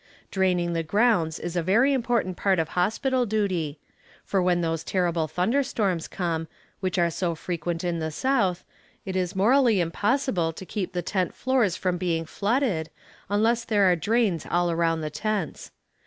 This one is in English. Draining the grounds is a very important part of hospital duty, for when those terrible thunder storms come, which are so frequent in the south, it is morally impossible to keep the tent floors from being flooded, unless there are drains all around the tents.